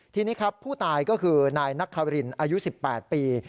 ทีนี้ครับผู้ตายก็คือนายนักคารินอายุ๑๘ปี